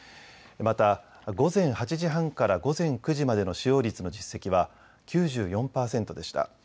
また午前８時半から午前９時までの使用率の実績は９４％でした。